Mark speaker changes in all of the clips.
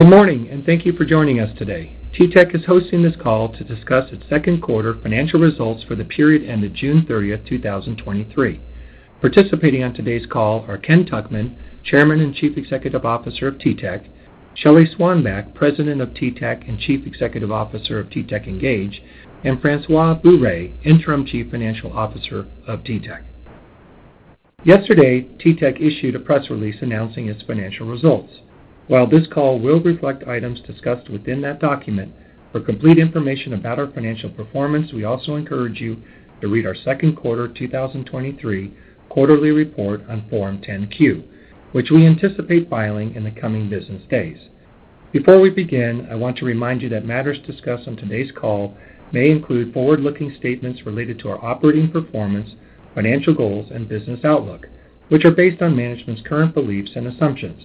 Speaker 1: Good morning, thank you for joining us today. TTEC is hosting this call to discuss its second quarter financial results for the period ended June 30th, 2023. Participating on today's call are Ken Tuchman, Chairman and Chief Executive Officer of TTEC, Shelly Swanback, President of TTEC and Chief Executive Officer of TTEC Engage, and François Bourret, Interim Chief Financial Officer of TTEC. Yesterday, TTEC issued a press release announcing its financial results. While this call will reflect items discussed within that document, for complete information about our financial performance, we also encourage you to read our second quarter 2023 quarterly report on Form 10-Q, which we anticipate filing in the coming business days. Before we begin, I want to remind you that matters discussed on today's call may include forward-looking statements related to our operating performance, financial goals, and business outlook, which are based on management's current beliefs and assumptions.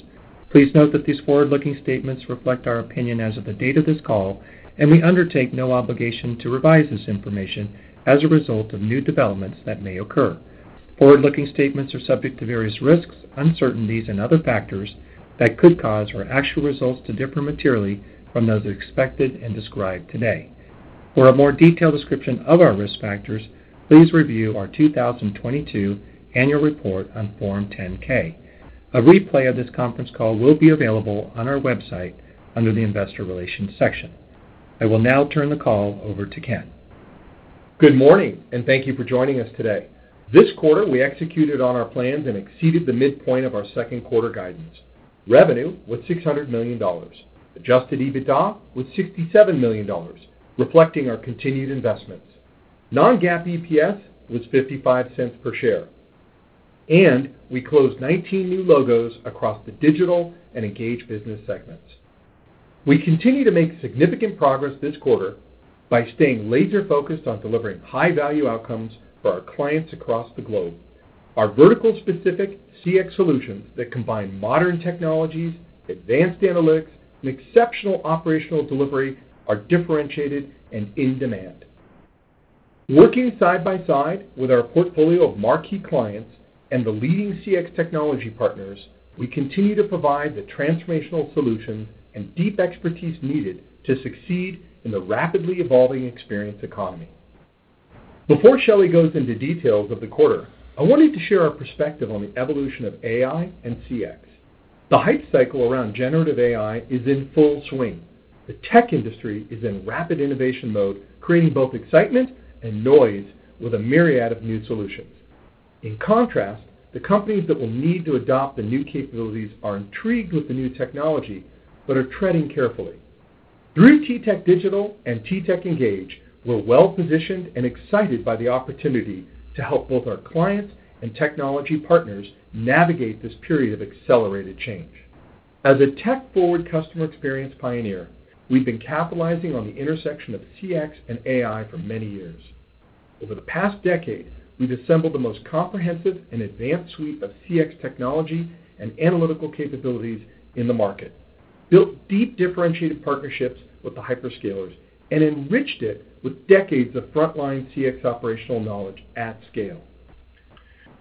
Speaker 1: Please note that these forward-looking statements reflect our opinion as of the date of this call, and we undertake no obligation to revise this information as a result of new developments that may occur. Forward-looking statements are subject to various risks, uncertainties, and other factors that could cause our actual results to differ materially from those expected and described today. For a more detailed description of our risk factors, please review our 2022 annual report on Form 10-K. A replay of this conference call will be available on our website under the Investor Relations section. I will now turn the call over to Ken.
Speaker 2: Good morning. Thank you for joining us today. This quarter, we executed on our plans and exceeded the midpoint of our second quarter guidance. Revenue was $600 million. Adjusted EBITDA was $67 million, reflecting our continued investments. Non-GAAP EPS was $0.55 per share. We closed 19 new logos across the Digital and Engage business segments. We continue to make significant progress this quarter by staying laser-focused on delivering high-value outcomes for our clients across the globe. Our vertical-specific CX solutions that combine modern technologies, advanced analytics, and exceptional operational delivery are differentiated and in demand. Working side by side with our portfolio of marquee clients and the leading CX technology partners, we continue to provide the transformational solutions and deep expertise needed to succeed in the rapidly evolving experience economy. Before Shelly goes into details of the quarter, I wanted to share our perspective on the evolution of AI and CX. The hype cycle around generative AI is in full swing. The tech industry is in rapid innovation mode, creating both excitement and noise with a myriad of new solutions. In contrast, the companies that will need to adopt the new capabilities are intrigued with the new technology, but are treading carefully. Through TTEC Digital and TTEC Engage, we're well-positioned and excited by the opportunity to help both our clients and technology partners navigate this period of accelerated change. As a tech-forward customer experience pioneer, we've been capitalizing on the intersection of CX and AI for many years. Over the past decade, we've assembled the most comprehensive and advanced suite of CX technology and analytical capabilities in the market, built deep, differentiated partnerships with the hyperscalers, and enriched it with decades of frontline CX operational knowledge at scale.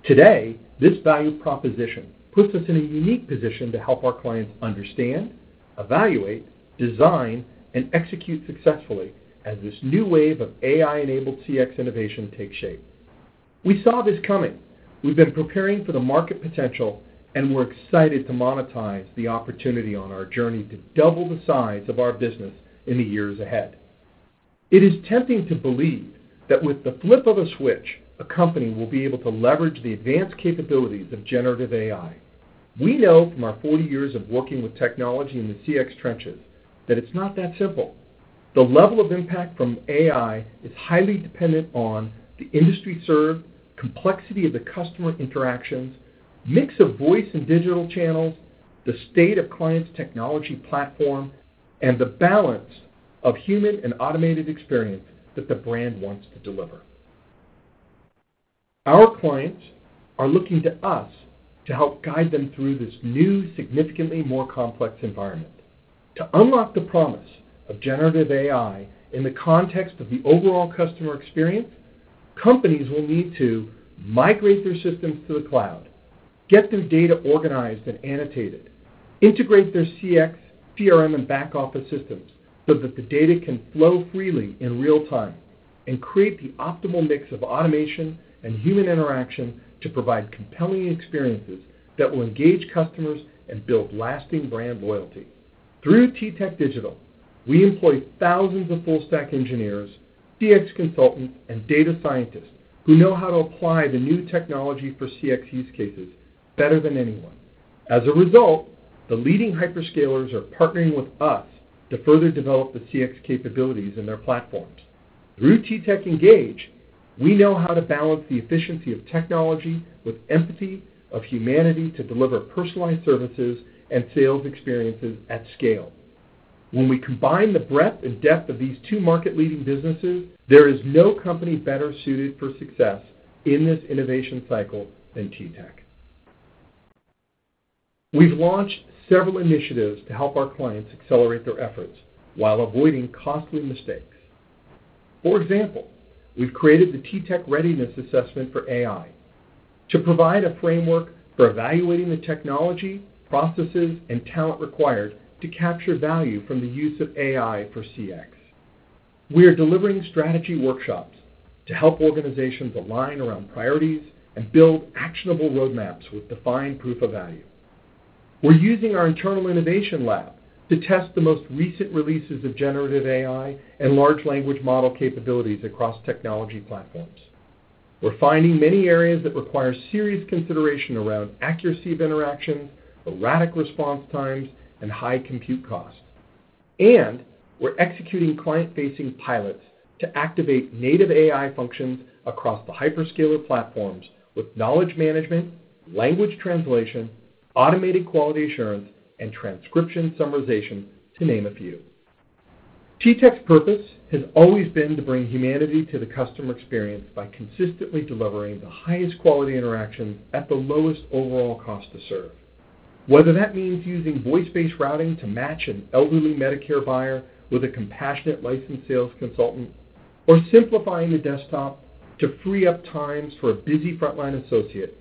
Speaker 2: Today, this value proposition puts us in a unique position to help our clients understand, evaluate, design, and execute successfully as this new wave of AI-enabled CX innovation takes shape. We saw this coming. We've been preparing for the market potential, and we're excited to monetize the opportunity on our journey to double the size of our business in the years ahead. It is tempting to believe that with the flip of a switch, a company will be able to leverage the advanced capabilities of generative AI. We know from our 40 years of working with technology in the CX trenches that it's not that simple. The level of impact from AI is highly dependent on the industry served, complexity of the customer interactions, mix of voice and digital channels, the state of client's technology platform, and the balance of human and automated experiences that the brand wants to deliver. Our clients are looking to us to help guide them through this new, significantly more complex environment. To unlock the promise of generative AI in the context of the overall customer experience, companies will need to migrate their systems to the cloud, get their data organized and annotated, integrate their CX, CRM, and back office systems so that the data can flow freely in real time, and create the optimal mix of automation and human interaction to provide compelling experiences that will engage customers and build lasting brand loyalty. Through TTEC Digital, we employ thousands of full stack engineers, CX consultants, and data scientists who know how to apply the new technology for CX use cases better than anyone. As a result, the leading hyperscalers are partnering with us to further develop the CX capabilities in their platforms. Through TTEC Engage, we know how to balance the efficiency of technology with empathy of humanity to deliver personalized services and sales experiences at scale. When we combine the breadth and depth of these two market-leading businesses, there is no company better suited for success in this innovation cycle than TTEC. We've launched several initiatives to help our clients accelerate their efforts while avoiding costly mistakes. For example, we've created the TTEC Readiness Assessment for AI to provide a framework for evaluating the technology, processes, and talent required to capture value from the use of AI for CX. We are delivering strategy workshops to help organizations align around priorities and build actionable roadmaps with defined proof of value. We're using our internal innovation lab to test the most recent releases of generative AI and large language model capabilities across technology platforms. We're finding many areas that require serious consideration around accuracy of interactions, erratic response times, and high compute costs. We're executing client-facing pilots to activate native AI functions across the hyperscaler platforms with knowledge management, language translation, automated quality assurance, and transcription summarization, to name a few. TTEC's purpose has always been to bring humanity to the customer experience by consistently delivering the highest quality interactions at the lowest overall cost to serve. Whether that means using voice-based routing to match an elderly Medicare buyer with a compassionate licensed sales consultant, or simplifying the desktop to free up times for a busy frontline associate,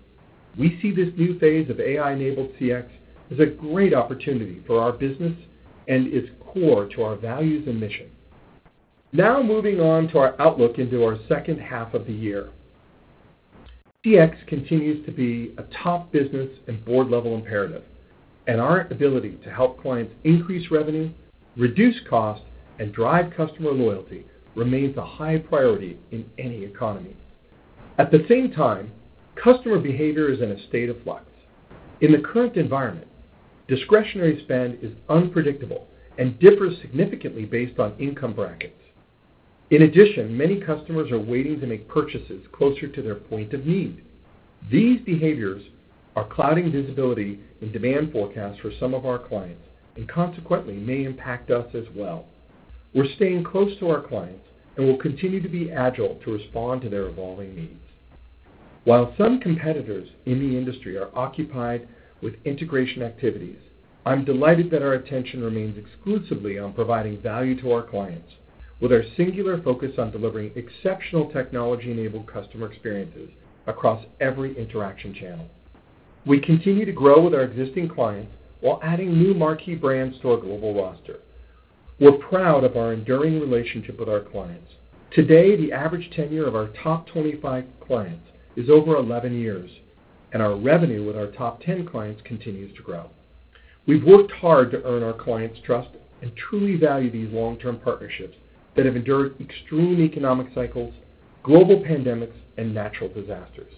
Speaker 2: we see this new phase of AI-enabled CX as a great opportunity for our business and is core to our values and mission. Now moving on to our outlook into our second half of the year. CX continues to be a top business and board-level imperative, and our ability to help clients increase revenue, reduce costs, and drive customer loyalty remains a high priority in any economy. At the same time, customer behavior is in a state of flux. In the current environment, discretionary spend is unpredictable and differs significantly based on income brackets. In addition, many customers are waiting to make purchases closer to their point of need. These behaviors are clouding visibility and demand forecasts for some of our clients, and consequently, may impact us as well. We're staying close to our clients, and we'll continue to be agile to respond to their evolving needs. While some competitors in the industry are occupied with integration activities, I'm delighted that our attention remains exclusively on providing value to our clients, with our singular focus on delivering exceptional technology-enabled customer experiences across every interaction channel. We continue to grow with our existing clients while adding new marquee brands to our global roster. We're proud of our enduring relationship with our clients. Today, the average tenure of our top 25 clients is over 11 years, and our revenue with our top 10 clients continues to grow. We've worked hard to earn our clients' trust and truly value these long-term partnerships that have endured extreme economic cycles, global pandemics, and natural disasters.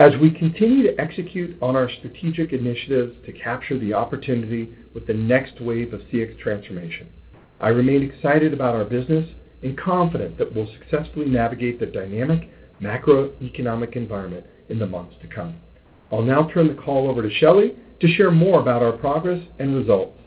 Speaker 2: As we continue to execute on our strategic initiatives to capture the opportunity with the next wave of CX transformation, I remain excited about our business and confident that we'll successfully navigate the dynamic macroeconomic environment in the months to come. I'll now turn the call over to Shelly to share more about our progress and results.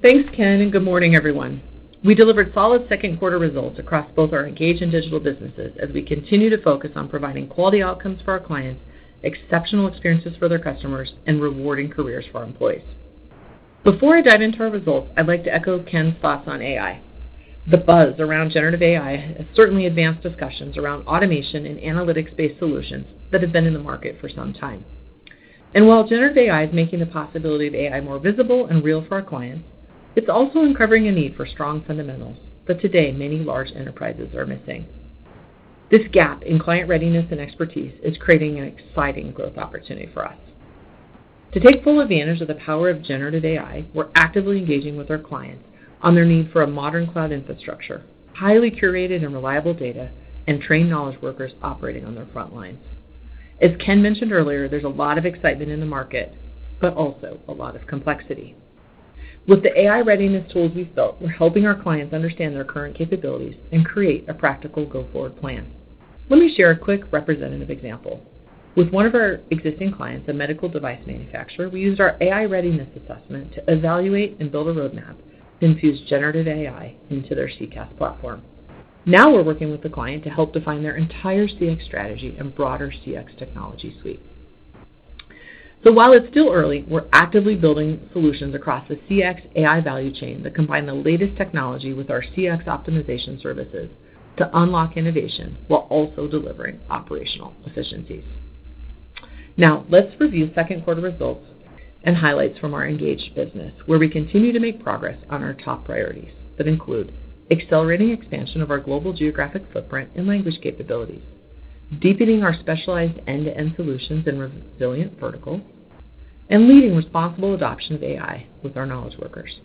Speaker 3: Thanks, Ken. Good morning, everyone. We delivered solid second quarter results across both our Engage and Digital businesses as we continue to focus on providing quality outcomes for our clients, exceptional experiences for their customers, and rewarding careers for our employees. Before I dive into our results, I'd like to echo Ken's thoughts on AI. The buzz around generative AI has certainly advanced discussions around automation and analytics-based solutions that have been in the market for some time. While generative AI is making the possibility of AI more visible and real for our clients, it's also uncovering a need for strong fundamentals that today many large enterprises are missing. This gap in client readiness and expertise is creating an exciting growth opportunity for us. To take full advantage of the power of generative AI, we're actively engaging with our clients on their need for a modern cloud infrastructure, highly curated and reliable data, and trained knowledge workers operating on their front lines. As Ken mentioned earlier, there's a lot of excitement in the market, but also a lot of complexity. With the AI readiness tools we've built, we're helping our clients understand their current capabilities and create a practical go-forward plan. Let me share a quick representative example. With one of our existing clients, a medical device manufacturer, we used our AI readiness assessment to evaluate and build a roadmap to infuse generative AI into their CCaaS platform. Now we're working with the client to help define their entire CX strategy and broader CX technology suite. While it's still early, we're actively building solutions across the CX AI value chain that combine the latest technology with our CX optimization services to unlock innovation while also delivering operational efficiencies. Now, let's review second quarter results and highlights from our Engage business, where we continue to make progress on our top priorities that include accelerating expansion of our global geographic footprint and language capabilities, deepening our specialized end-to-end solutions in resilient verticals, and leading responsible adoption of AI with our knowledge workers.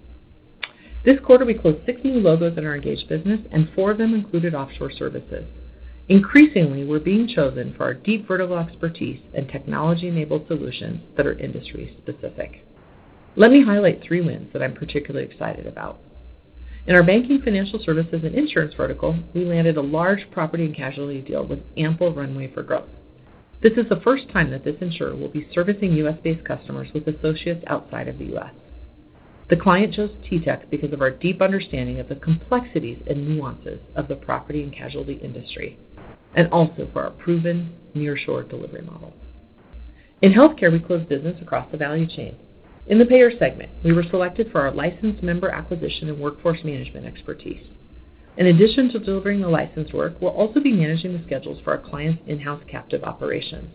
Speaker 3: This quarter, we closed six new logos in our Engage business, and four of them included offshore services. Increasingly, we're being chosen for our deep vertical expertise and technology-enabled solutions that are industry-specific. Let me highlight three wins that I'm particularly excited about. In our banking, financial services, and insurance vertical, we landed a large property and casualty deal with ample runway for growth. This is the first time that this insurer will be servicing U.S.-based customers with associates outside of the U.S. The client chose TTEC because of our deep understanding of the complexities and nuances of the property and casualty industry, and also for our proven nearshore delivery model. In healthcare, we closed business across the value chain. In the payer segment, we were selected for our licensed member acquisition and workforce management expertise. In addition to delivering the licensed work, we'll also be managing the schedules for our client's in-house captive operations.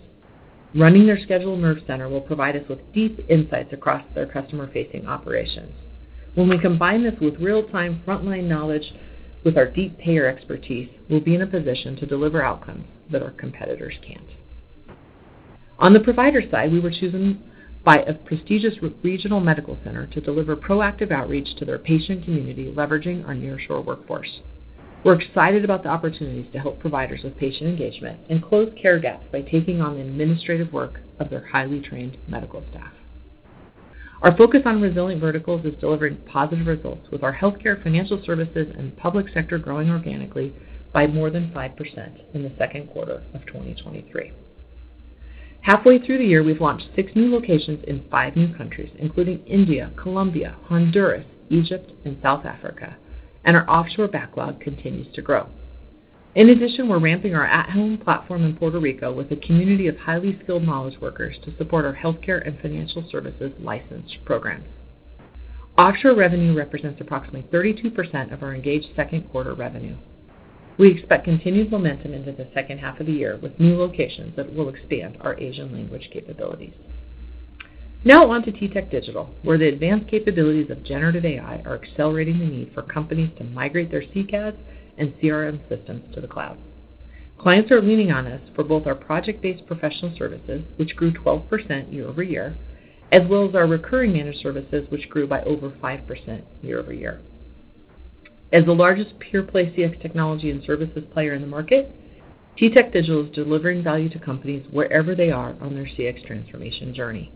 Speaker 3: Running their schedule nerve center will provide us with deep insights across their customer-facing operations. When we combine this with real-time frontline knowledge with our deep payer expertise, we'll be in a position to deliver outcomes that our competitors can't. On the provider side, we were chosen by a prestigious regional medical center to deliver proactive outreach to their patient community, leveraging our nearshore workforce. We're excited about the opportunities to help providers with patient engagement and close care gaps by taking on the administrative work of their highly trained medical staff. Our focus on resilient verticals is delivering positive results, with our healthcare, financial services, and public sector growing organically by more than 5% in the second quarter of 2023. Halfway through the year, we've launched six new locations in five new countries, including India, Colombia, Honduras, Egypt, and South Africa, and our offshore backlog continues to grow. In addition, we're ramping our at-home platform in Puerto Rico with a community of highly skilled knowledge workers to support our healthcare and financial services licensed programs. Offshore revenue represents approximately 32% of our Engage second quarter revenue. We expect continued momentum into the second half of the year with new locations that will expand our Asian language capabilities. Now on to TTEC Digital, where the advanced capabilities of generative AI are accelerating the need for companies to migrate their CCaaS and CRM systems to the cloud. Clients are leaning on us for both our project-based professional services, which grew 12% year-over-year, as well as our recurring managed services, which grew by over 5% year-over-year. As the largest pure-play CX technology and services player in the market, TTEC Digital is delivering value to companies wherever they are on their CX transformation journey.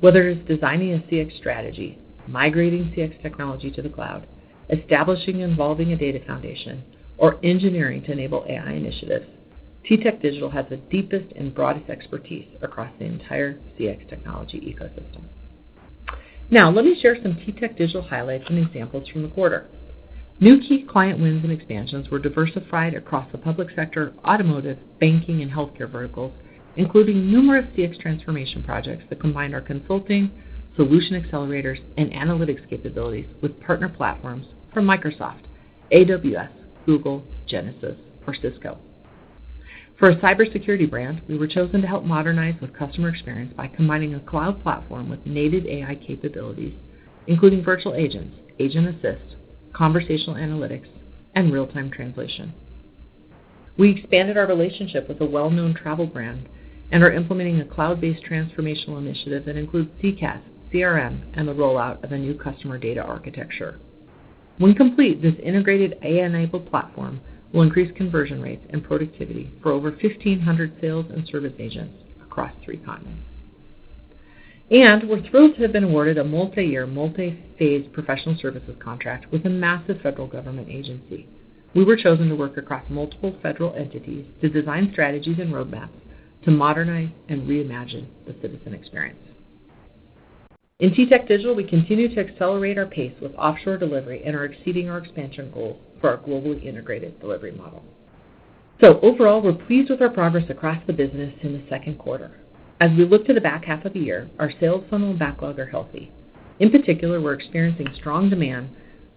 Speaker 3: Whether it's designing a CX strategy, migrating CX technology to the cloud, establishing and evolving a data foundation, or engineering to enable AI initiatives, TTEC Digital has the deepest and broadest expertise across the entire CX technology ecosystem. Now, let me share some TTEC Digital highlights and examples from the quarter. New key client wins and expansions were diversified across the public sector, automotive, banking, and healthcare verticals, including numerous CX transformation projects that combine our consulting, solution accelerators, and analytics capabilities with partner platforms from Microsoft, AWS, Google, Genesys, or Cisco. For a cybersecurity brand, we were chosen to help modernize with customer experience by combining a cloud platform with native AI capabilities, including virtual agents, agent assist, conversational analytics, and real-time translation. We expanded our relationship with a well-known travel brand and are implementing a cloud-based transformational initiative that includes CCaaS, CRM, and the rollout of a new customer data architecture. When complete, this integrated AI-enabled platform will increase conversion rates and productivity for over 1,500 sales and service agents across three continents. We're thrilled to have been awarded a multiyear, multiphase professional services contract with a massive federal government agency. We were chosen to work across multiple federal entities to design strategies and roadmaps to modernize and reimagine the citizen experience. In TTEC Digital, we continue to accelerate our pace with offshore delivery and are exceeding our expansion goals for our globally integrated delivery model. Overall, we're pleased with our progress across the business in the second quarter. As we look to the back half of the year, our sales funnel and backlog are healthy. In particular, we're experiencing strong demand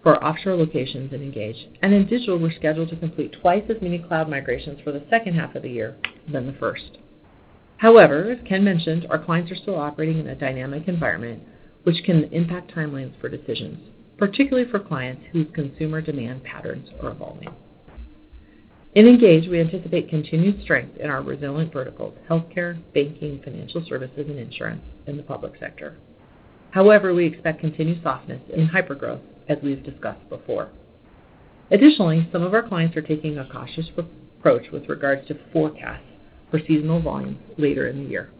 Speaker 3: for our offshore locations in Engage, and in Digital, we're scheduled to complete twice as many cloud migrations for the second half of the year than the first. However, as Ken mentioned, our clients are still operating in a dynamic environment, which can impact timelines for decisions, particularly for clients whose consumer demand patterns are evolving. In Engage, we anticipate continued strength in our resilient verticals: healthcare, banking, financial services and insurance, and the public sector. However, we expect continued softness in hypergrowth, as we've discussed before. Additionally, some of our clients are taking a cautious approach with regards to forecasts for seasonal volumes later in the year.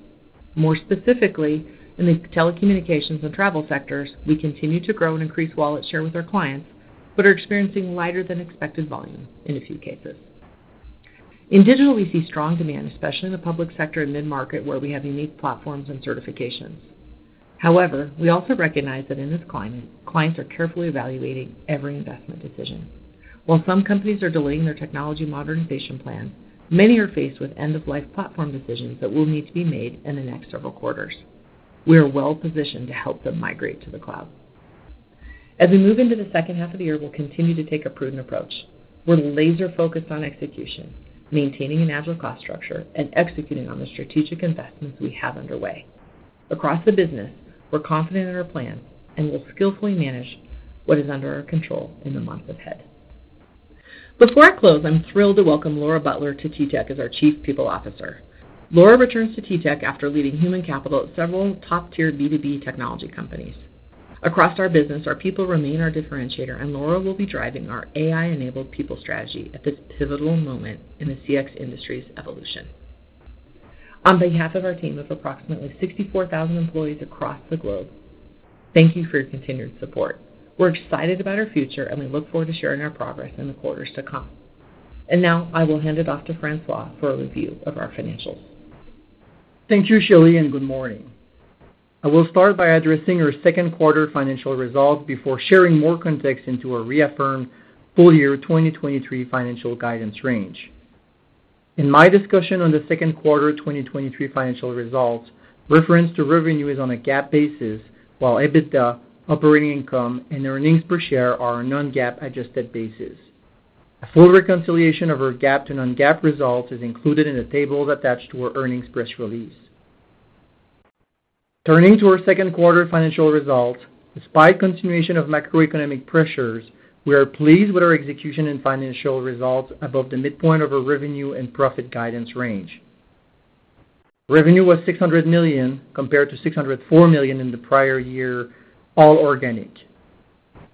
Speaker 3: More specifically, in the telecommunications and travel sectors, we continue to grow and increase wallet share with our clients, but are experiencing lighter than expected volumes in a few cases. In Digital, we see strong demand, especially in the public sector and mid-market, where we have unique platforms and certifications. However, we also recognize that in this climate, clients are carefully evaluating every investment decision. While some companies are delaying their technology modernization plan, many are faced with end-of-life platform decisions that will need to be made in the next several quarters. We are well positioned to help them migrate to the cloud. As we move into the second half of the year, we'll continue to take a prudent approach. We're laser focused on execution, maintaining an agile cost structure, and executing on the strategic investments we have underway. Across the business, we're confident in our plan and will skillfully manage what is under our control in the months ahead. Before I close, I'm thrilled to welcome Laura Butler to TTEC as our Chief People Officer. Laura returns to TTEC after leading human capital at several top-tier B2B technology companies. Across our business, our people remain our differentiator, and Laura will be driving our AI-enabled people strategy at this pivotal moment in the CX industry's evolution. On behalf of our team of approximately 64,000 employees across the globe, thank you for your continued support. We're excited about our future, and we look forward to sharing our progress in the quarters to come. Now I will hand it off to François for a review of our financials.
Speaker 4: Thank you, Shelly. Good morning. I will start by addressing our second quarter financial results before sharing more context into our reaffirmed full year 2023 financial guidance range. In my discussion on the second quarter 2023 financial results, reference to revenue is on a GAAP basis, while EBITDA, operating income, and earnings per share are our non-GAAP adjusted basis. A full reconciliation of our GAAP to non-GAAP results is included in the table attached to our earnings press release. Turning to our second quarter financial results, despite continuation of macroeconomic pressures, we are pleased with our execution and financial results above the midpoint of our revenue and profit guidance range. Revenue was $600 million, compared to $604 million in the prior year, all organic.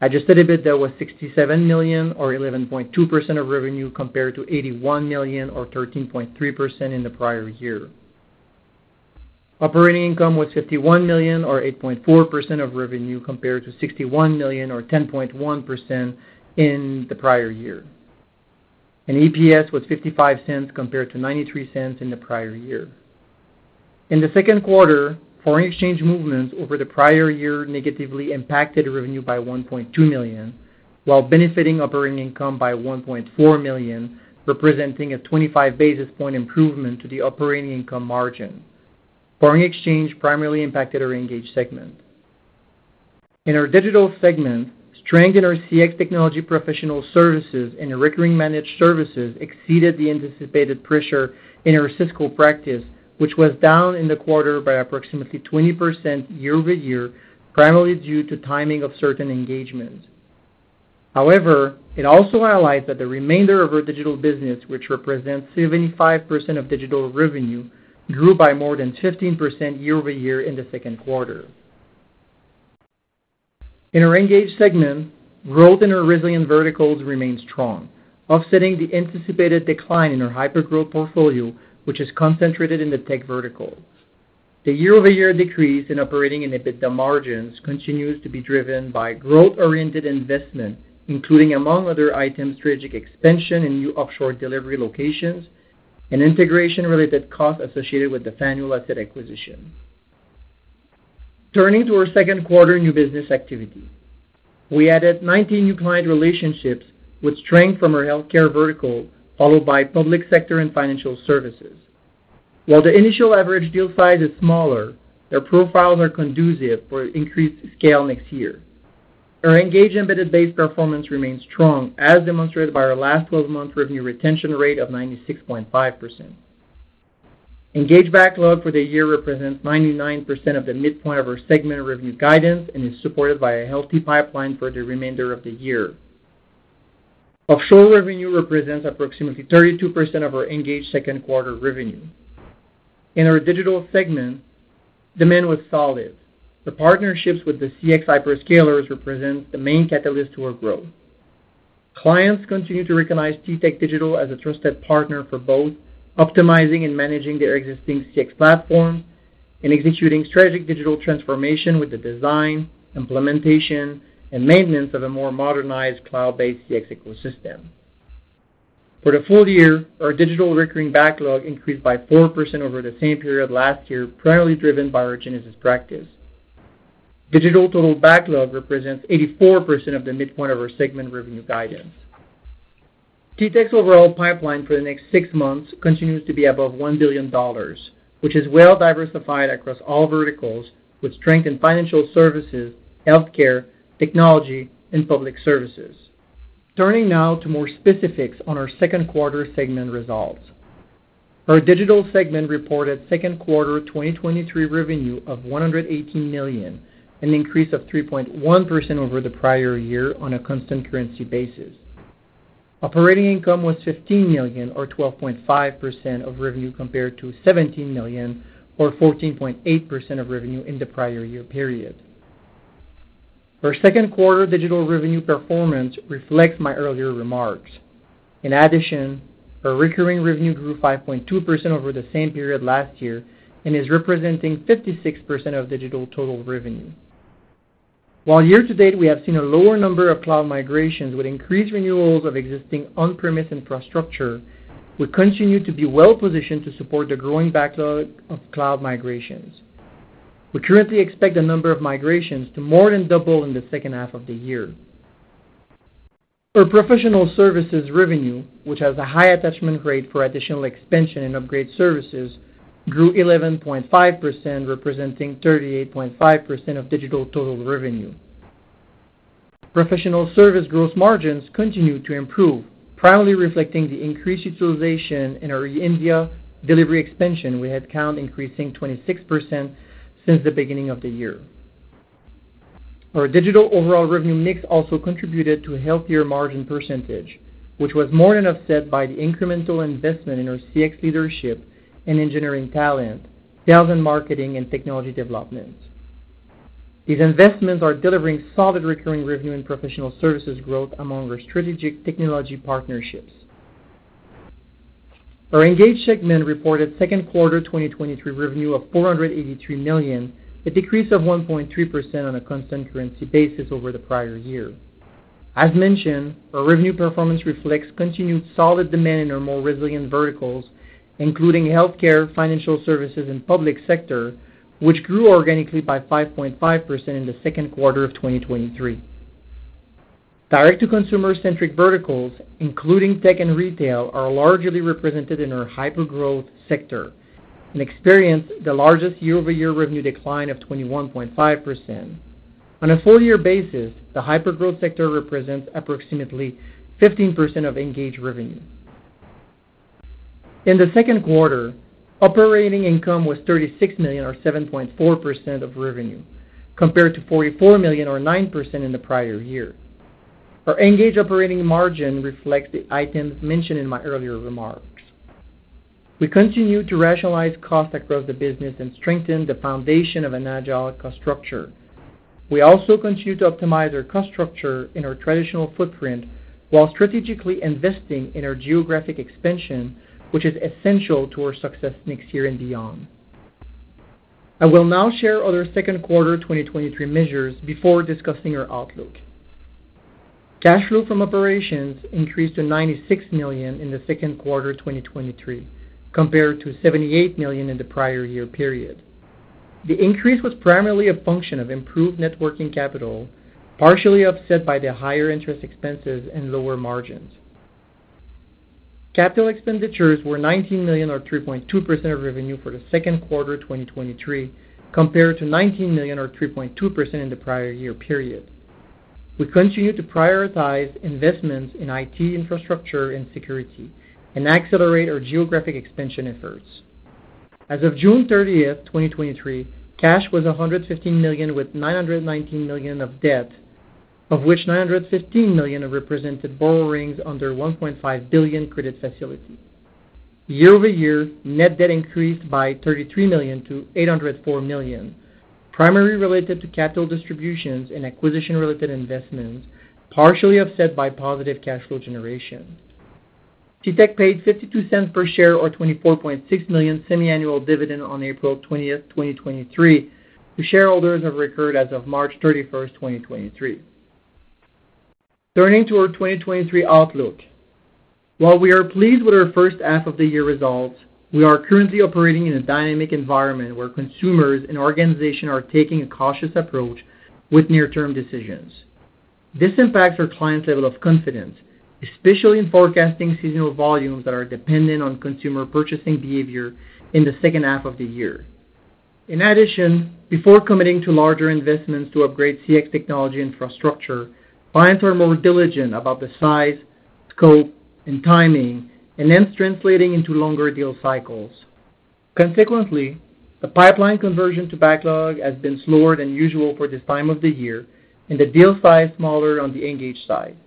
Speaker 4: Adjusted EBITDA was $67 million, or 11.2% of revenue, compared to $81 million or 13.3% in the prior year. Operating income was $51 million or 8.4% of revenue, compared to $61 million or 10.1% in the prior year. EPS was $0.55 compared to $0.93 in the prior year. In the second quarter, foreign exchange movements over the prior year negatively impacted revenue by $1.2 million, while benefiting operating income by $1.4 million, representing a 25 basis point improvement to the operating income margin. Foreign exchange primarily impacted our Engage segment. In our Digital segment, strength in our CX technology professional services and recurring managed services exceeded the anticipated pressure in our Cisco practice, which was down in the quarter by approximately 20% year-over-year, primarily due to timing of certain engagements. It also highlights that the remainder of our digital business, which represents 75% of digital revenue, grew by more than 15% year-over-year in the second quarter. In our Engage segment, growth in our resilient verticals remains strong, offsetting the anticipated decline in our hypergrowth portfolio, which is concentrated in the tech verticals. The year-over-year decrease in operating and EBITDA margins continues to be driven by growth-oriented investment, including, among other items, strategic expansion in new offshore delivery locations and integration-related costs associated with the Faneuil asset acquisition. Turning to our second quarter new business activity. We added 19 new client relationships with strength from our healthcare vertical, followed by public sector and financial services. While the initial average deal size is smaller, their profiles are conducive for increased scale next year. Our Engage embedded base performance remains strong, as demonstrated by our last 12-month revenue retention rate of 96.5%. Engage backlog for the year represents 99% of the midpoint of our segment revenue guidance and is supported by a healthy pipeline for the remainder of the year. Offshore revenue represents approximately 32% of our Engage second quarter revenue. In our Digital segment, demand was solid. The partnerships with the CX hyperscalers represent the main catalyst to our growth. Clients continue to recognize TTEC Digital as a trusted partner for both optimizing and managing their existing CX platform and executing strategic digital transformation with the design, implementation, and maintenance of a more modernized cloud-based CX ecosystem. For the full year, our digital recurring backlog increased by 4% over the same period last year, primarily driven by our Genesys practice. Digital total backlog represents 84% of the midpoint of our segment revenue guidance. TTEC's overall pipeline for the next six months continues to be above $1 billion, which is well diversified across all verticals, with strength in financial services, healthcare, technology, and public services. Turning now to more specifics on our second quarter segment results. Our Digital segment reported second quarter 2023 revenue of $118 million, an increase of 3.1% over the prior year on a constant currency basis. Operating income was $15 million or 12.5% of revenue, compared to $17 million or 14.8% of revenue in the prior year period. Our second quarter digital revenue performance reflects my earlier remarks. In addition, our recurring revenue grew 5.2% over the same period last year and is representing 56% of digital total revenue. While year to date, we have seen a lower number of cloud migrations with increased renewals of existing on-premise infrastructure, we continue to be well positioned to support the growing backlog of cloud migrations. We currently expect the number of migrations to more than double in the second half of the year. Our professional services revenue, which has a high attachment rate for additional expansion and upgrade services, grew 11.5%, representing 38.5% of digital total revenue. Professional service growth margins continued to improve, primarily reflecting the increased utilization in our India delivery expansion, we have count increasing 26% since the beginning of the year. Our digital overall revenue mix also contributed to a healthier margin percentage, which was more than offset by the incremental investment in our CX leadership and engineering talent, sales and marketing, and technology developments. These investments are delivering solid recurring revenue and professional services growth among our strategic technology partnerships. Our Engage segment reported second quarter 2023 revenue of $483 million, a decrease of 1.3% on a constant currency basis over the prior year. As mentioned, our revenue performance reflects continued solid demand in our more resilient verticals, including healthcare, financial services, and public sector, which grew organically by 5.5% in the second quarter of 2023. Direct-to-consumer-centric verticals, including tech and retail, are largely represented in our hyper-growth sector and experienced the largest year-over-year revenue decline of 21.5%. On a full year basis, the hyper-growth sector represents approximately 15% of Engage revenue. In the second quarter, operating income was $36 million, or 7.4% of revenue, compared to $44 million or 9% in the prior year. Our engaged operating margin reflects the items mentioned in my earlier remarks. We continue to rationalize costs across the business and strengthen the foundation of an agile cost structure. We also continue to optimize our cost structure in our traditional footprint, while strategically investing in our geographic expansion, which is essential to our success next year and beyond. I will now share other second quarter 2023 measures before discussing our outlook. Cash flow from operations increased to $96 million in the second quarter 2023, compared to $78 million in the prior year period. The increase was primarily a function of improved net working capital, partially offset by the higher interest expenses and lower margins. Capital expenditures were $19 million, or 3.2% of revenue, for the second quarter 2023, compared to $19 million, or 3.2%, in the prior year period. We continue to prioritize investments in IT infrastructure and security and accelerate our geographic expansion efforts. As of June 30th, 2023, cash was $115 million, with $919 million of debt, of which $915 million are represented borrowings under a $1.5 billion credit facility. Year-over-year, net debt increased by $33 million to $804 million, primarily related to capital distributions and acquisition-related investments, partially offset by positive cash flow generation. TTEC paid $0.52 per share, or $24.6 million semiannual dividend on April 20th, 2023, to shareholders of record as of March 31st, 2023. Turning to our 2023 outlook. While we are pleased with our first half of the year results, we are currently operating in a dynamic environment where consumers and organizations are taking a cautious approach with near-term decisions. This impacts our clients' level of confidence, especially in forecasting seasonal volumes that are dependent on consumer purchasing behavior in the second half of the year. In addition, before committing to larger investments to upgrade CX technology infrastructure, clients are more diligent about the size, scope, and timing, and then translating into longer deal cycles. Consequently, the pipeline conversion to backlog has been slower than usual for this time of the year, and the deal size smaller on the Engage side.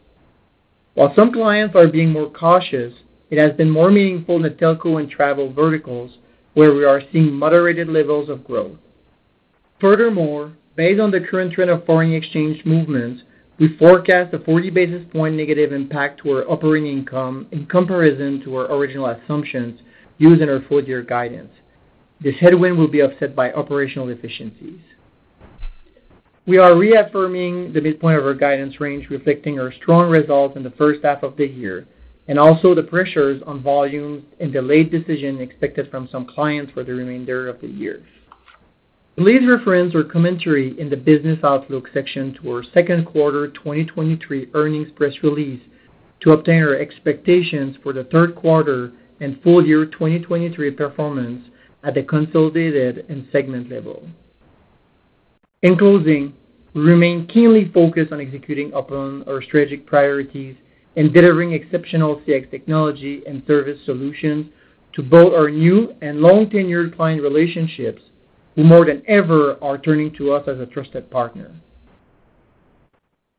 Speaker 4: While some clients are being more cautious, it has been more meaningful in the telco and travel verticals, where we are seeing moderated levels of growth. Furthermore, based on the current trend of foreign exchange movements, we forecast a 40 basis point negative impact to our operating income in comparison to our original assumptions used in our full year guidance. This headwind will be offset by operational efficiencies. We are reaffirming the midpoint of our guidance range, reflecting our strong results in the first half of the year, and also the pressures on volumes and delayed decisions expected from some clients for the remainder of the year. Please reference our commentary in the business outlook section to our second quarter 2023 earnings press release to obtain our expectations for the third quarter and full year 2023 performance at the consolidated and segment level. In closing, we remain keenly focused on executing upon our strategic priorities and delivering exceptional CX technology and service solutions to both our new and long-tenured client relationships, who more than ever are turning to us as a trusted partner.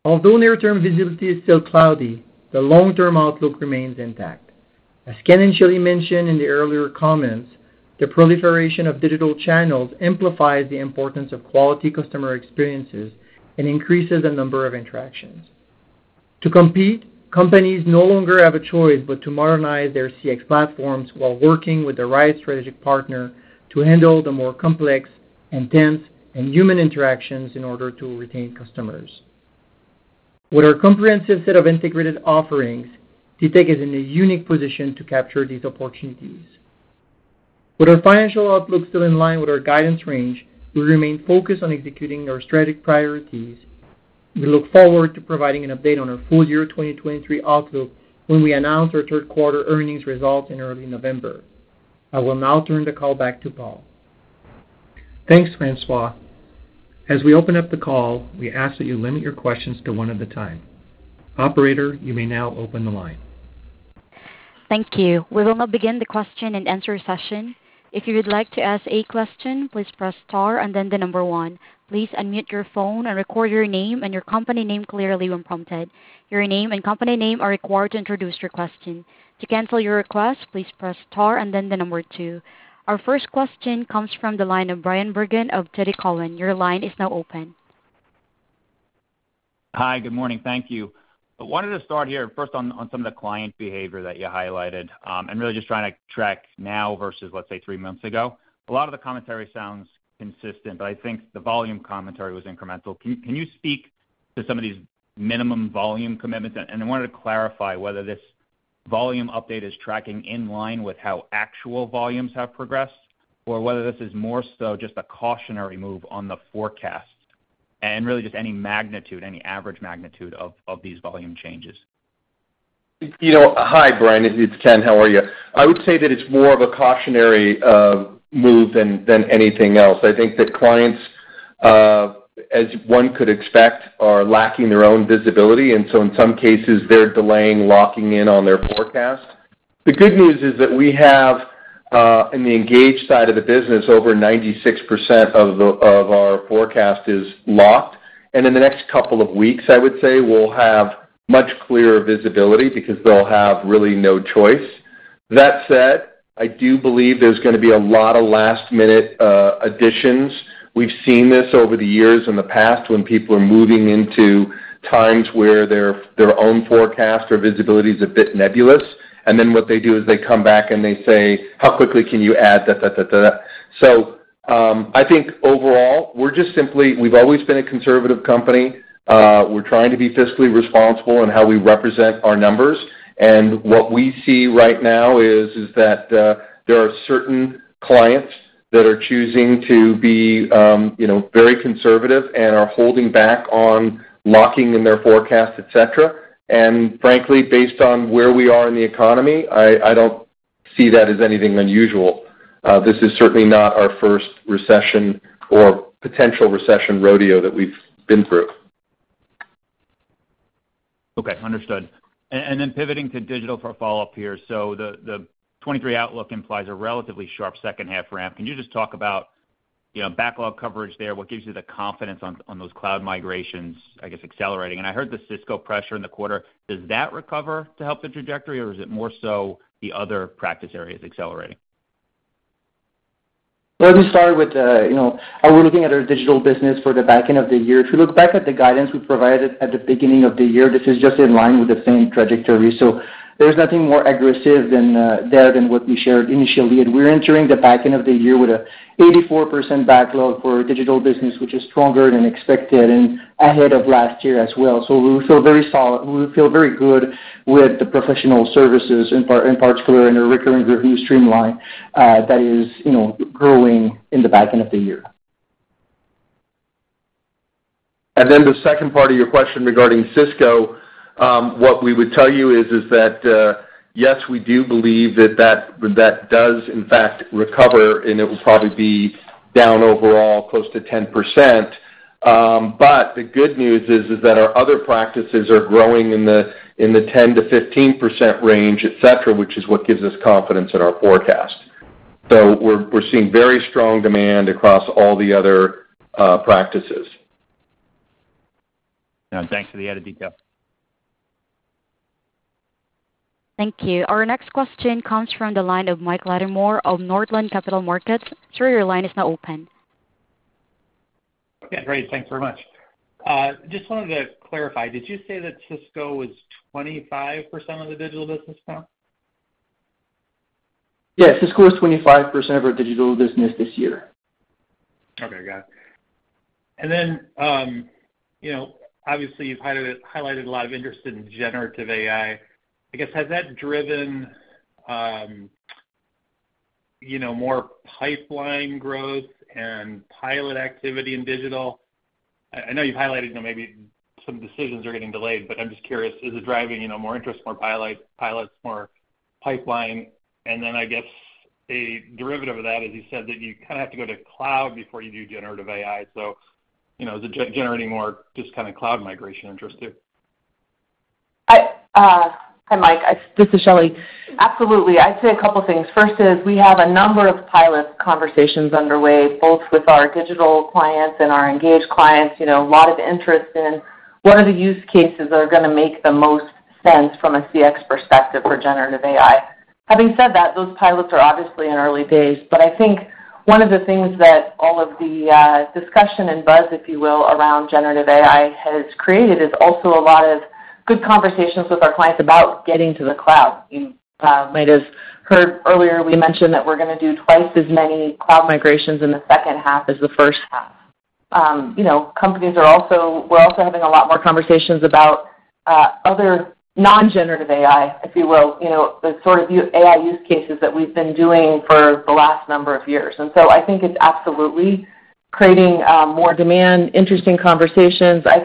Speaker 4: Although near-term visibility is still cloudy, the long-term outlook remains intact. As Ken and Shelly mentioned in the earlier comments, the proliferation of digital channels amplifies the importance of quality customer experiences and increases the number of interactions. To compete, companies no longer have a choice but to modernize their CX platforms while working with the right strategic partner to handle the more complex, intense, and human interactions in order to retain customers. With our comprehensive set of integrated offerings, TTEC is in a unique position to capture these opportunities. With our financial outlook still in line with our guidance range, we remain focused on executing our strategic priorities. We look forward to providing an update on our full year 2023 outlook when we announce our third quarter earnings results in early November. I will now turn the call back to Paul.
Speaker 1: Thanks, François. As we open up the call, we ask that you limit your questions to one at a time. Operator, you may now open the line.
Speaker 5: Thank you. We will now begin the question and answer session. If you would like to ask a question, please press star and then the number one. Please unmute your phone and record your name and your company name clearly when prompted. Your name and company name are required to introduce your question. To cancel your request, please press star and then the number two. Our first question comes from the line of Bryan Bergin of TD Cowen. Your line is now open.
Speaker 6: Hi, good morning. Thank you. I wanted to start here first on, on some of the client behavior that you highlighted, and really just trying to track now versus, let's say, three months ago. A lot of the commentary sounds consistent, but I think the volume commentary was incremental. Can you speak to some of these minimum volume commitments? I wanted to clarify whether this volume update is tracking in line with how actual volumes have progressed, or whether this is more so just a cautionary move on the forecast? Really just any magnitude, any average magnitude of, of these volume changes.
Speaker 2: You know, hi, Brian. It's Ken, how are you? I would say that it's more of a cautionary move than, than anything else. I think that clients, as one could expect, are lacking their own visibility, and so in some cases, they're delaying locking in on their forecast. The good news is that we have, in the engaged side of the business, over 96% of our forecast is locked, and in the next couple of weeks, I would say, we'll have much clearer visibility because they'll have really no choice. That said, I do believe there's gonna be a lot of last-minute additions. We've seen this over the years in the past when people are moving into times where their, their own forecast or visibility is a bit nebulous, then what they do is they come back and they say, "How quickly can you add da, da, da, da, da?" I think overall, we're just simply we've always been a conservative company. We're trying to be fiscally responsible in how we represent our numbers. What we see right now is that, you know, there are certain clients that are choosing to be very conservative and are holding back on locking in their forecast, et cetera. Frankly, based on where we are in the economy, I don't see that as anything unusual. This is certainly not our first recession or potential recession rodeo that we've been through.
Speaker 6: Okay, understood. Then pivoting to digital for a follow-up here. The 23 outlook implies a relatively sharp second half ramp. Can you just talk about, you know, backlog coverage there? What gives you the confidence on those cloud migrations, I guess, accelerating? I heard the Cisco pressure in the quarter. Does that recover to help the trajectory, or is it more so the other practice areas accelerating?
Speaker 4: Let me start with, you know, how we're looking at our digital business for the back end of the year. If you look back at the guidance we provided at the beginning of the year, this is just in line with the same trajectory. There's nothing more aggressive than there than what we shared initially. We're entering the back end of the year with a 84% backlog for digital business, which is stronger than expected and ahead of last year as well. We feel very solid. We feel very good with the professional services, in part- in particular, in the recurring revenue stream line, that is, you know, growing in the back end of the year.
Speaker 2: Then the second part of your question regarding Cisco, what we would tell you is, is that, yes, we do believe that that, that does in fact recover, and it will probably be down overall close to 10%. The good news is, is that our other practices are growing in the, in the 10%-15% range, et cetera, which is what gives us confidence in our forecast. We're, we're seeing very strong demand across all the other, practices.
Speaker 6: Yeah, thanks for the added detail.
Speaker 5: Thank you. Our next question comes from the line of Mike Latimore of Northland Capital Markets. Sir, your line is now open.
Speaker 7: Yeah, great. Thanks very much. Just wanted to clarify, did you say that Cisco was 25% of the digital business now?
Speaker 4: Yes, Cisco is 25% of our digital business this year.
Speaker 7: Okay, got it. You know, obviously, you've highlighted, highlighted a lot of interest in generative AI. I guess, has that driven, you know, more pipeline growth and pilot activity in digital? I, I know you've highlighted that maybe some decisions are getting delayed, but I'm just curious, is it driving, you know, more interest, more pilots, pilots, more pipeline? I guess, a derivative of that is you said that you kind of have to go to cloud before you do generative AI. You know, is it generating more just kind of cloud migration interest too?
Speaker 3: Hi, Mike. This is Shelly. Absolutely. I'd say a couple things. First is, we have a number of pilot conversations underway, both with our Digital clients and our Engage clients. You know, a lot of interest in what are the use cases that are gonna make the most sense from a CX perspective for generative AI. Having said that, those pilots are obviously in early days, but I think one of the things that all of the discussion and buzz, if you will, around generative AI has created, is also a lot of good conversations with our clients about getting to the cloud. You might have heard earlier, we mentioned that we're gonna do twice as many cloud migrations in the second half as the first half. You know, companies are also-- we're also having a lot more conversations about other non-generative AI, if you will. You know, the sort of AI use cases that we've been doing for the last number of years. I think it's absolutely creating more demand, interesting conversations. I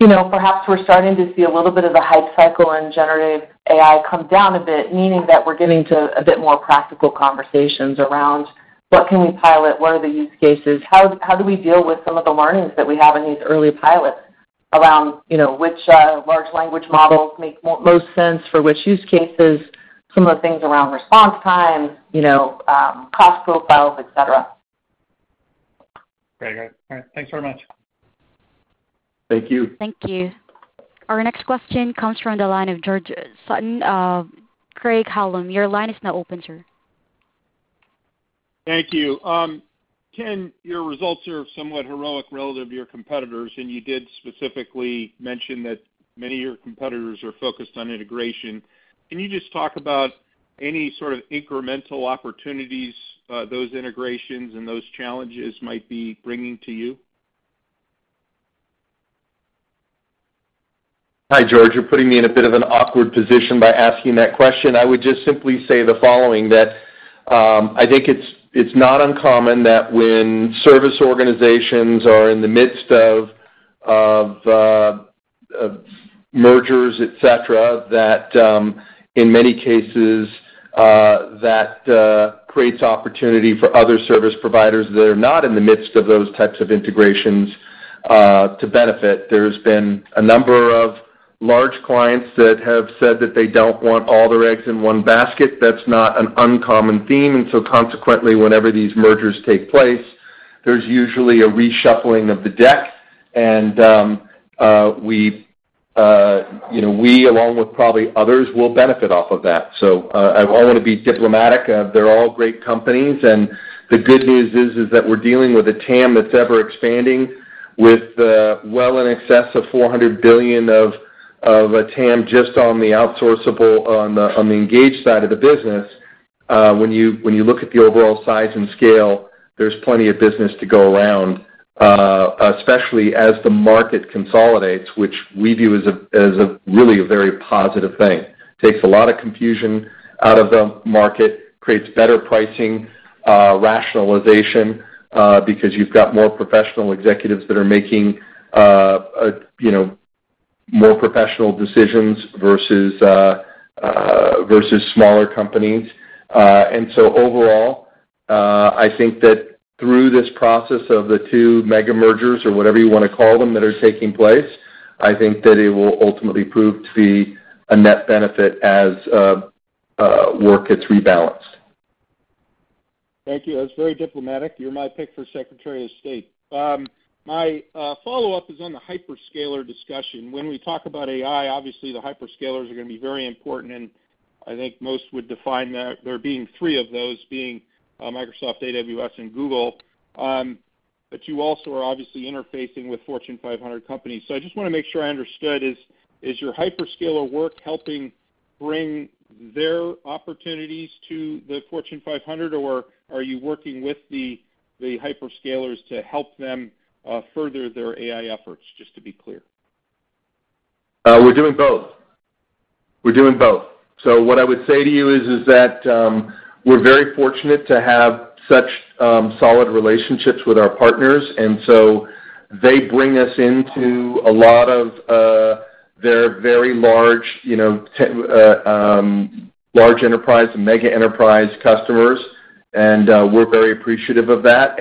Speaker 3: think, you know, perhaps we're starting to see a little bit of the hype cycle in generative AI come down a bit, meaning that we're getting to a bit more practical conversations around what can we pilot, what are the use cases, how, how do we deal with some of the learnings that we have in these early pilots around, you know, which large language models make most sense for which use cases, some of the things around response time, you know, cost profiles, et cetera.
Speaker 7: Very good. All right. Thanks very much.
Speaker 2: Thank you.
Speaker 5: Thank you. Our next question comes from the line of George Sutton, Craig-Hallum. Your line is now open, sir.
Speaker 8: Thank you. Ken, your results are somewhat heroic relative to your competitors. You did specifically mention that many of your competitors are focused on integration. Can you just talk about any sort of incremental opportunities, those integrations and those challenges might be bringing to you?
Speaker 2: Hi, George. You're putting me in a bit of an awkward position by asking that question. I would just simply say the following, that I think it's not uncommon that when service organizations are in the midst of mergers, et cetera, that in many cases, that creates opportunity for other service providers that are not in the midst of those types of integrations to benefit. There's been a number of large clients that have said that they don't want all their eggs in one basket. That's not an uncommon theme. Consequently, whenever these mergers take place, there's usually a reshuffling of the deck, and we, you know, we, along with probably others, will benefit off of that. I wanna be diplomatic. They're all great companies, and the good news is, is that we're dealing with a TAM that's ever-expanding, with, well in excess of $400 billion of, of TAM, just on the outsourceable, on the, on the engaged side of the business. When you, when you look at the overall size and scale, there's plenty of business to go around, especially as the market consolidates, which we view as a, as a really, a very positive thing. Takes a lot of confusion out of the market, creates better pricing, rationalization, because you've got more professional executives that are making, a, you know, more professional decisions versus, versus smaller companies. Overall, I think that through this process of the two mega mergers or whatever you wanna call them, that are taking place, I think that it will ultimately prove to be a net benefit as work gets rebalanced.
Speaker 8: Thank you. That's very diplomatic. You're my pick for Secretary of State. My follow-up is on the hyperscaler discussion. When we talk about AI, obviously the hyperscalers are gonna be very important, and I think most would define that there being three of those, being Microsoft, AWS, and Google. You also are obviously interfacing with Fortune 500 companies. I just wanna make sure I understood, is your hyperscaler work helping bring their opportunities to the Fortune 500, or are you working with the hyperscalers to help them further their AI efforts? Just to be clear.
Speaker 2: We're doing both. We're doing both. What I would say to you is, is that we're very fortunate to have such solid relationships with our partners, and so they bring us into a lot of their very large, you know, large enterprise and mega enterprise customers, and we're very appreciative of that.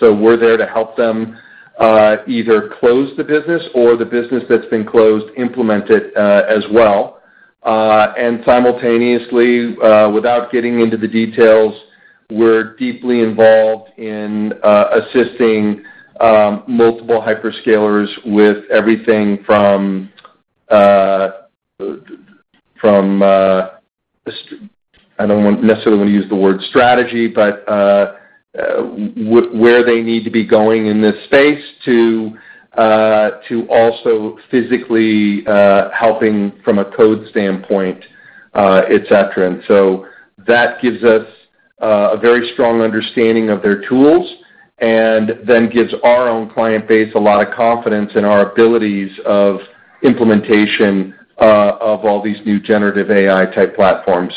Speaker 2: We're there to help them, either close the business or the business that's been closed, implement it, as well. Simultaneously, without getting into the details, we're deeply involved in assisting multiple hyperscalers with everything from, from I don't want, necessarily wanna use the word strategy, but, where they need to be going in this space to also physically helping from a code standpoint, et cetera. That gives us a very strong understanding of their tools and then gives our own client base a lot of confidence in our abilities of implementation of all these new generative AI-type platforms.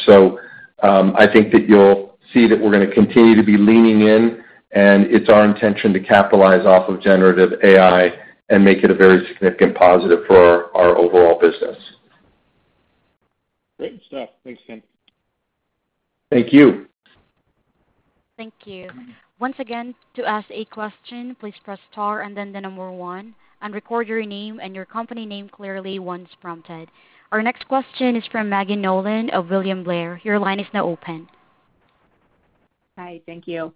Speaker 2: I think that you'll see that we're gonna continue to be leaning in, and it's our intention to capitalize off of generative AI and make it a very significant positive for our overall business.
Speaker 8: Great stuff. Thanks, Ken.
Speaker 2: Thank you.
Speaker 5: Thank you. Once again, to ask a question, please press star and then the number one, and record your name and your company name clearly once prompted. Our next question is from Maggie Nolan of William Blair. Your line is now open.
Speaker 9: Hi, thank you.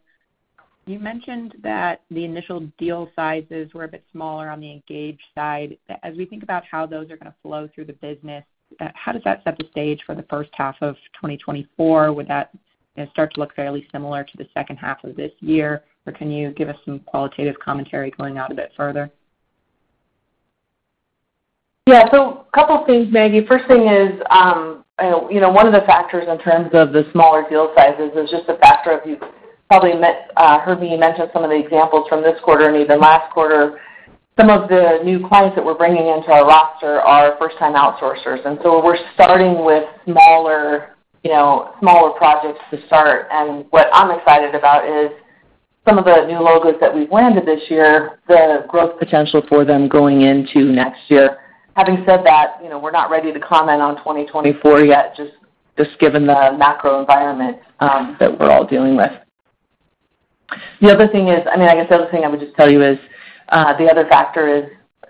Speaker 9: You mentioned that the initial deal sizes were a bit smaller on the Engage side. As we think about how those are gonna flow through the business, how does that set the stage for the first half of 2024? Would that, you know, start to look fairly similar to the second half of this year, or can you give us some qualitative commentary going out a bit further?
Speaker 3: Yeah, a couple things, Maggie. First thing is, you know, one of the factors in terms of the smaller deal sizes is just a factor of you've probably heard me mention some of the examples from this quarter and even last quarter. Some of the new clients that we're bringing into our roster are first-time outsourcers, we're starting with smaller, you know, smaller projects to start. What I'm excited about is some of the new logos that we've landed this year, the growth potential for them going into next year. Having said that, you know, we're not ready to comment on 2024 yet, just given the macro environment that we're all dealing with. The other thing is... I mean, I guess the other thing I would just tell you is, the other factor is,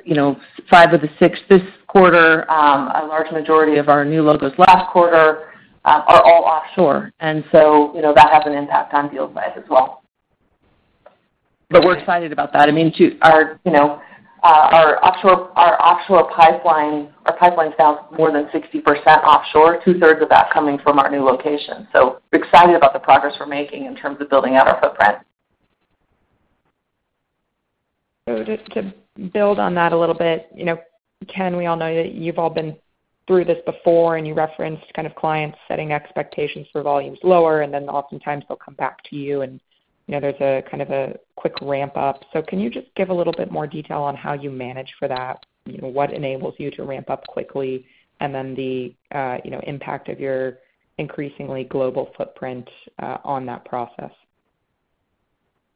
Speaker 3: you know, five of the six this quarter, a large majority of our new logos last quarter, are all offshore. You know, that has an impact on deal size as well. We're excited about that. I mean, to our, you know, our offshore, our offshore pipeline, our pipeline is now more than 60% offshore, 2/3 of that coming from our new location. We're excited about the progress we're making in terms of building out our footprint.
Speaker 9: Just to build on that a little bit, you know, Ken, we all know that you've all been through this before, and you referenced kind of clients setting expectations for volumes lower, and then oftentimes they'll come back to you, and, you know, there's a kind of a quick ramp-up. Can you just give a little bit more detail on how you manage for that? You know, what enables you to ramp up quickly, and then the, you know, impact of your increasingly global footprint on that process?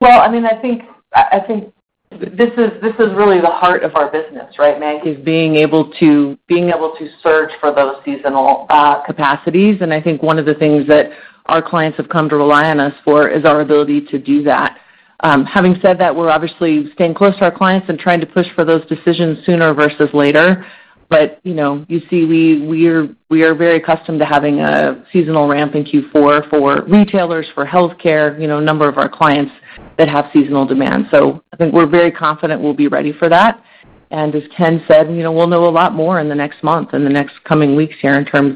Speaker 3: Well, I mean, I think, I, I think this is, this is really the heart of our business, right, Mag? Is being able to, being able to search for those seasonal capacities. I think one of the things that our clients have come to rely on us for is our ability to do that. Having said that, we're obviously staying close to our clients and trying to push for those decisions sooner versus later. You know, you see, we are very accustomed to having a seasonal ramp in Q4 for retailers, for healthcare, you know, a number of our clients that have seasonal demand. I think we're very confident we'll be ready for that. As Ken said, you know, we'll know a lot more in the next month, in the next coming weeks here, in terms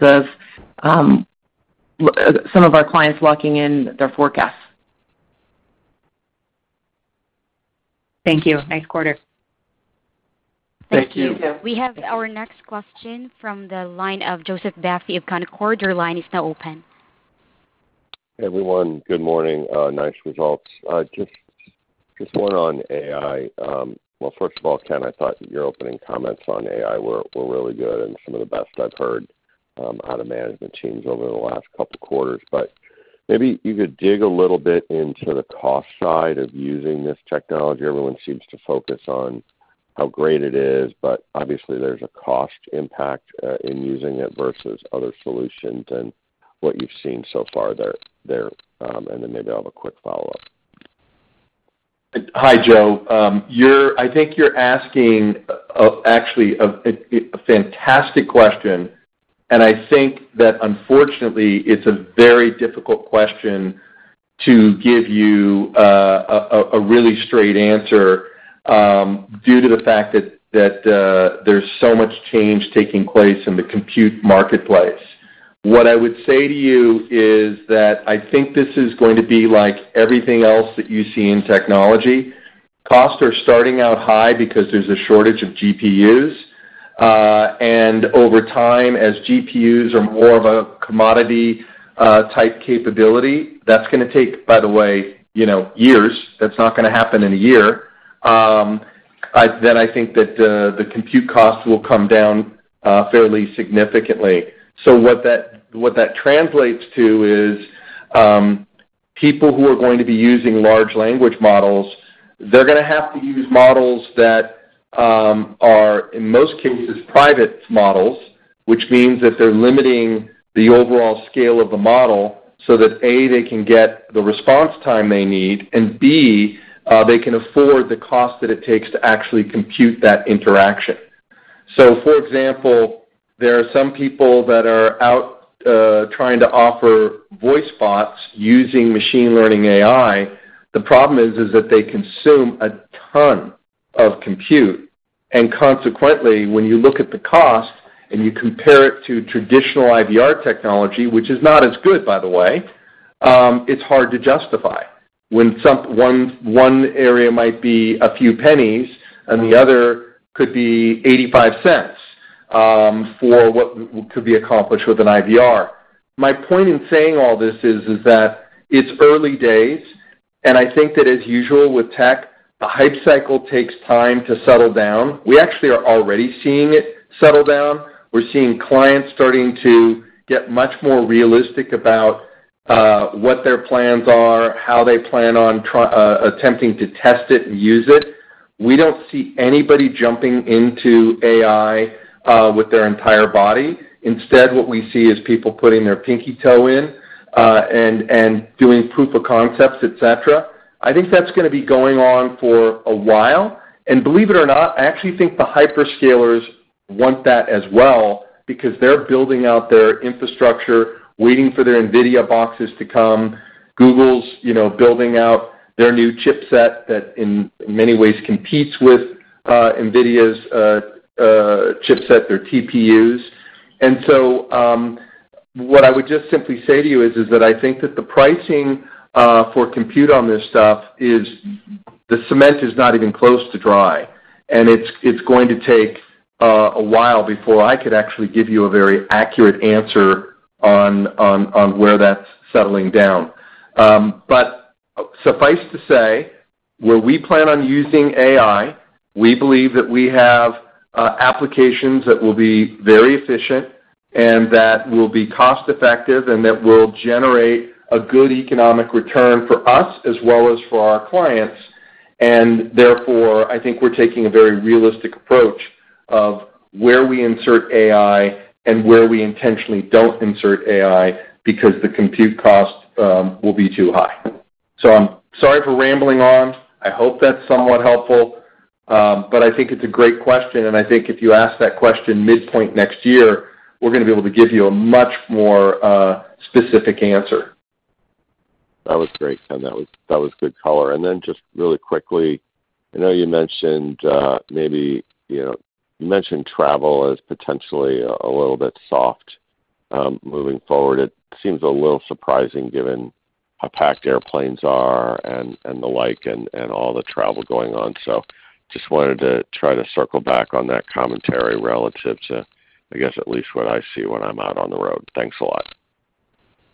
Speaker 3: of some of our clients locking in their forecasts.
Speaker 9: Thank you. Nice quarter.
Speaker 2: Thank you.
Speaker 3: Thank you.
Speaker 5: We have our next question from the line of Joseph Vafi of Canaccord. Your line is now open.
Speaker 10: Everyone, good morning. Nice results. Just one on AI. Well, first of all, Ken, I thought your opening comments on AI were really good and some of the best I've heard out of management teams over the last couple of quarters. Maybe you could dig a little bit into the cost side of using this technology. Everyone seems to focus on how great it is, but obviously there's a cost impact in using it versus other solutions and what you've seen so far there, and then maybe I'll have a quick follow-up.
Speaker 2: Hi, Joe. I think you're asking, actually, a fantastic question, and I think that unfortunately, it's a very difficult question to give you a really straight answer, due to the fact that there's so much change taking place in the compute marketplace. What I would say to you is that I think this is going to be like everything else that you see in technology. Costs are starting out high because there's a shortage of GPUs, and over time, as GPUs are more of a commodity type capability, that's gonna take, by the way, you know, years. That's not gonna happen in a year. I think that the compute costs will come down fairly significantly. What that, what that translates to is, people who are going to be using large language models, they're gonna have to use models that are, in most cases, private models, which means that they're limiting the overall scale of the model so that, A, they can get the response time they need, and B, they can afford the cost that it takes to actually compute that interaction. For example, there are some people that are out, trying to offer voice bots using machine learning AI. The problem is, is that they consume a ton of compute, and consequently, when you look at the cost and you compare it to traditional IVR technology, which is not as good, by the way, it's hard to justify. When one area might be a few pennies, and the other could be $0.85 for what could be accomplished with an IVR. My point in saying all this is, is that it's early days, and I think that as usual with tech, the hype cycle takes time to settle down. We actually are already seeing it settle down. We're seeing clients starting to get much more realistic about what their plans are, how they plan on attempting to test it and use it. We don't see anybody jumping into AI with their entire body. Instead, what we see is people putting their pinky toe in, and doing proof of concepts, et cetera. I think that's gonna be going on for a while, and believe it or not, I actually think the hyperscalers want that as well because they're building out their infrastructure, waiting for their NVIDIA boxes to come. Google's, you know, building out their new chipset that in many ways competes with NVIDIA's chipset, their TPUs. What I would just simply say to you is, is that I think that the pricing for compute on this stuff is the cement is not even close to dry, and it's, it's going to take a while before I could actually give you a very accurate answer on, on, on where that's settling down. Suffice to say, where we plan on using AI, we believe that we have applications that will be very efficient and that will be cost-effective, and that will generate a good economic return for us as well as for our clients. Therefore, I think we're taking a very realistic approach of where we insert AI and where we intentionally don't insert AI because the compute cost will be too high. I'm sorry for rambling on. I hope that's somewhat helpful. I think it's a great question, and I think if you ask that question midpoint next year, we're gonna be able to give you a much more specific answer.
Speaker 10: That was great, Ken. That was, that was good color. Just really quickly, I know you mentioned, maybe, you know, you mentioned travel as potentially a little bit soft, moving forward, it seems a little surprising given how packed airplanes are and, and the like, and, and all the travel going on. Just wanted to try to circle back on that commentary relative to, I guess, at least what I see when I'm out on the road. Thanks a lot.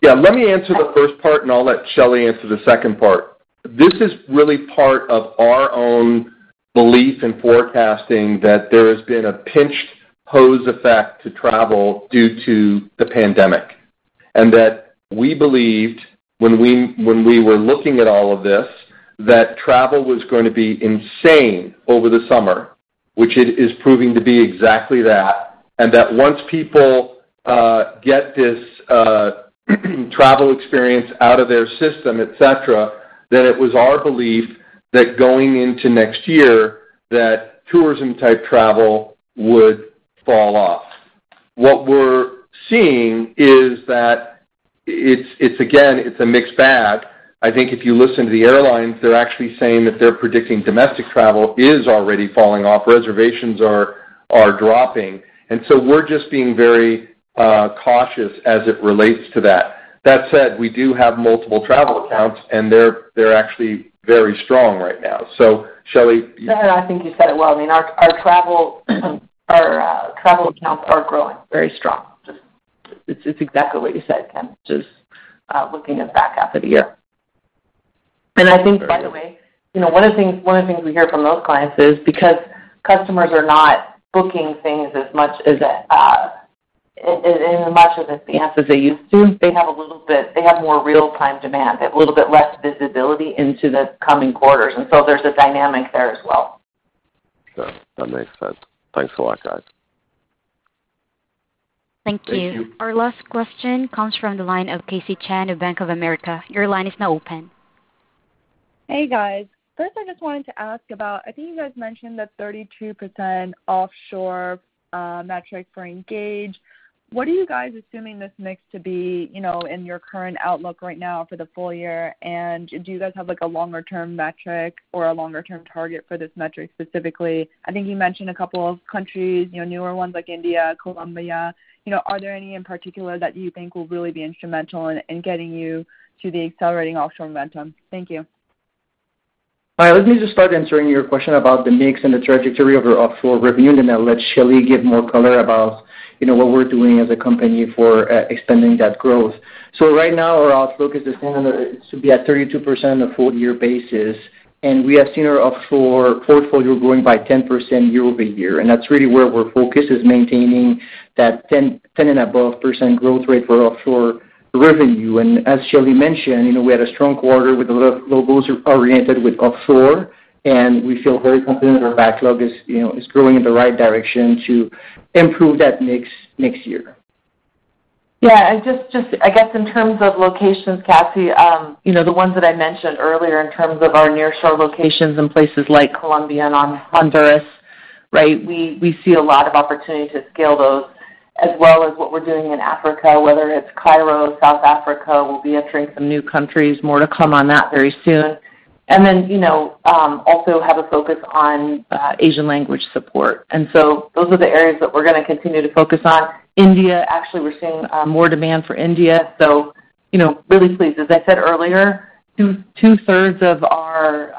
Speaker 2: Yeah, let me answer the first part, and I'll let Shelly answer the second part. This is really part of our own belief in forecasting that there has been a pinched-hose effect to travel due to the pandemic, and that we believed when we, when we were looking at all of this, that travel was going to be insane over the summer, which it is proving to be exactly that. Once people get this travel experience out of their system, et cetera, that it was our belief that going into next year, that tourism-type travel would fall off. What we're seeing is that it's, it's again, it's a mixed bag. I think if you listen to the airlines, they're actually saying that they're predicting domestic travel is already falling off. Reservations are, are dropping. We're just being very cautious as it relates to that. That said, we do have multiple travel accounts, and they're, they're actually very strong right now. Shelly?
Speaker 3: No, I think you said it well. I mean, our, our travel, our travel accounts are growing very strong. Just it's, it's exactly what you said, Ken, just looking at the back half of the year. I think, by the way, you know, one of the things, one of the things we hear from those clients is because customers are not booking things as much as in as much as advance as they used to, they have a little bit, they have more real-time demand. They have a little bit less visibility into the coming quarters, and so there's a dynamic there as well.
Speaker 10: Sure, that makes sense. Thanks a lot, guys.
Speaker 5: Thank you.
Speaker 2: Thank you.
Speaker 5: Our last question comes from the line of Cassie Chan of Bank of America. Your line is now open.
Speaker 11: Hey, guys. First, I just wanted to ask about I think you guys mentioned that 32% offshore metric for Engage. What are you guys assuming this mix to be, you know, in your current outlook right now for the full year? Do you guys have, like, a longer-term metric or a longer-term target for this metric specifically? I think you mentioned a couple of countries, you know, newer ones like India, Colombia. You know, are there any in particular that you think will really be instrumental in, in getting you to the accelerating offshore momentum? Thank you.
Speaker 4: Hi, let me just start answering your question about the mix and the trajectory of our offshore revenue. Then I'll let Shelly give more color about, you know, what we're doing as a company for expanding that growth. Right now, our outlook is going to be at 32% on a full-year basis. We have seen our offshore portfolio growing by 10% year-over-year, and that's really where we're focused, is maintaining that 10, 10 and above % growth rate for offshore revenue. As Shelly mentioned, you know, we had a strong quarter with a lot of logos oriented with offshore. We feel very confident our backlog is, you know, is growing in the right direction to improve that mix next year.
Speaker 3: Yeah, and just, just I guess in terms of locations, Cassie, you know, the ones that I mentioned earlier in terms of our nearshore locations in places like Colombia and on Honduras, right? We, we see a lot of opportunity to scale those as well as what we're doing in Africa, whether it's Cairo, South Africa, we'll be entering some new countries. More to come on that very soon. Then, you know, also have a focus on Asian language support. So those are the areas that we're gonna continue to focus on. India, actually, we're seeing more demand for India, so, you know, really pleased. As I said earlier, two, 2/3 of our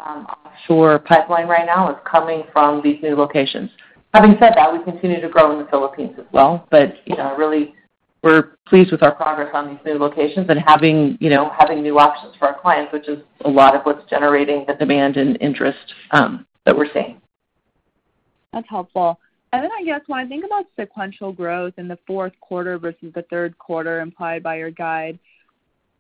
Speaker 3: offshore pipeline right now is coming from these new locations. Having said that, we continue to grow in the Philippines as well, but, you know, really, we're pleased with our progress on these new locations and having, you know, having new options for our clients, which is a lot of what's generating the demand and interest, that we're seeing.
Speaker 11: That's helpful. Then I guess when I think about sequential growth in the fourth quarter versus the third quarter implied by your guide,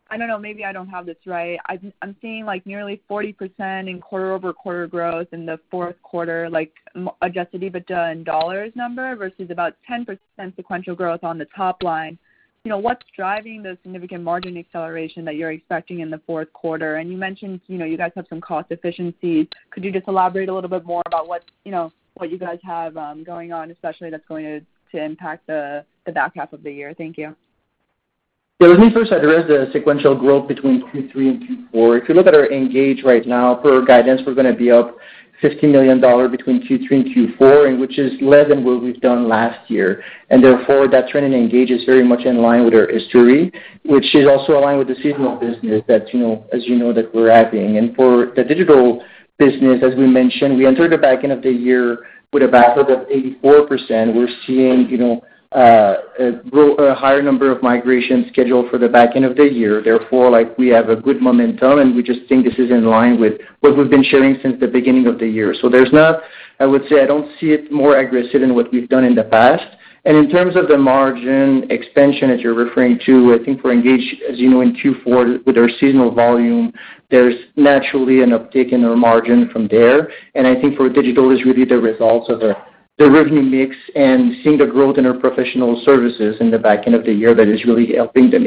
Speaker 11: I don't know, maybe I don't have this right. I'm seeing like nearly 40% in quarter-over-quarter growth in the fourth quarter, like, Adjusted EBITDA in dollars number, versus about 10% sequential growth on the top line. You know, what's driving the significant margin acceleration that you're expecting in the fourth quarter? You mentioned, you know, you guys have some cost efficiencies. Could you just elaborate a little bit more about what, you know, what you guys have going on, especially that's going to impact the, the back half of the year? Thank you.
Speaker 4: Yeah, let me first address the sequential growth between Q3 and Q4. If you look at our Engage right now, per guidance, we're gonna be up $50 million between Q3 and Q4, and which is less than what we've done last year. Therefore, that trend in Engage is very much in line with our history, which is also aligned with the seasonal business that, you know, as you know, that we're having. For the digital business, as we mentioned, we entered the back end of the year with a backlog of 84%. We're seeing, you know, a higher number of migrations scheduled for the back end of the year. Therefore, like, we have a good momentum, and we just think this is in line with what we've been sharing since the beginning of the year. There's not... I would say, I don't see it more aggressive than what we've done in the past. In terms of the margin expansion that you're referring to, I think for Engage, as you know, in Q4, with our seasonal volume, there's naturally an uptick in our margin from there. I think for Digital, it's really the results of the revenue mix and seeing the growth in our professional services in the back end of the year that is really helping the...